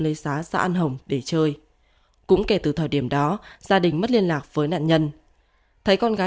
lấy xá xã an hồng để chơi cũng kể từ thời điểm đó gia đình mất liên lạc với nạn nhân thấy con gái